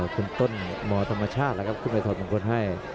คุณต้นหมอธรรมชาตินะครับขึ้นมาถอดมงคลให้